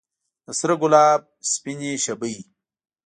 د سره ګلاب سپینې شبۍ